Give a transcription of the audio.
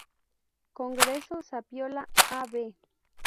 Congreso, Zapiola, Av.